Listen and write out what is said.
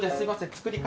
作り方